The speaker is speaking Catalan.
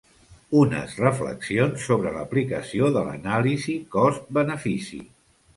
Unes reflexions sobre l'aplicació de l'anàlisi cost-benefici.